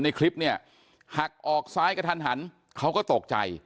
ในคลิปเนี่ยหักออกซ้ายกระทันหันเขาก็ตกใจ